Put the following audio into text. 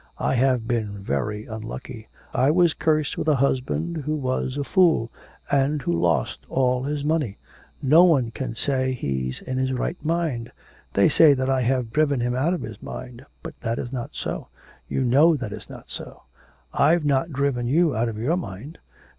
I have been very unlucky; I was cursed with a husband who was a fool, and who lost all his money no one can say he's in his right mind. They say that I have driven him out of his mind, but that is not so, you know that it is not so; I've not driven you out of your mind.